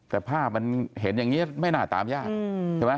แต่ภาพมันเห็นอย่างนี้ไม่น่าตามญาติ